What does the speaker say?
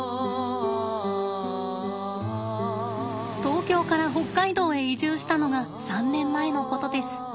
東京から北海道へ移住したのが３年前のことです。